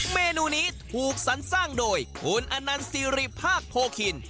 เมนูนี้ถูกสรรสร้างโดยคุณอนันต์สิริภาคโพคิน